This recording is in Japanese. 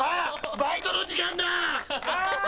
バイトの時間だ！